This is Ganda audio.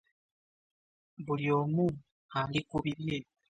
Buli omu Ali ku bibye.